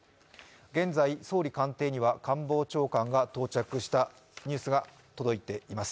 現在、総理官邸には官房長官が到着したニュースが届いています。